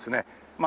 まあ